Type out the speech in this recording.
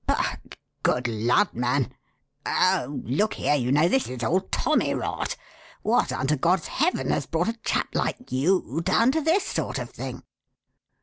"But, good lud, man! Oh, look here, you know, this is all tommyrot! What under God's heaven has brought a chap like you down to this sort of thing?"